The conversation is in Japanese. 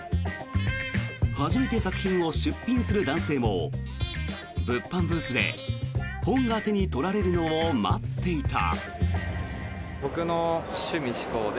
初めて作品を出品する男性も物販ブースで本が手に取られるのを待っていた。